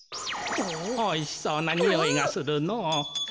おいしそうなにおいがするのぉ。